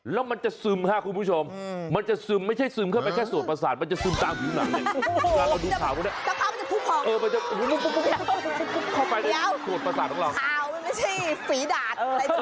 แล้วมันจะซึมค่ะคุณผู้ชมมันจะซึมไม่ใช่ซึมเข้าไปแค่สวดประสาทมันจะซึมตามผิวหนังเนี่ย